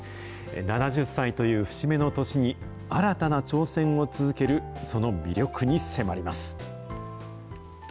７０歳という節目の年に、新たな挑戦を続けるその魅力に迫ります。